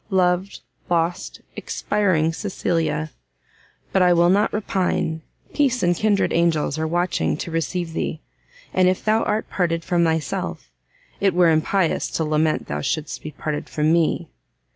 loved, lost, expiring Cecilia! but I will not repine! peace and kindred angels are watching to receive thee, and if thou art parted from thyself, it were impious to lament thou shouldst be parted from me.